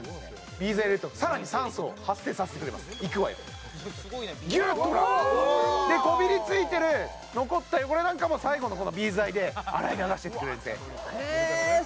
Ｂ剤を入れるとさらに酸素を発生させてくれますいくわよギュッとほらでこびりついてる残った汚れなんかも最後のこのＢ剤で洗い流してくれるんですねへえ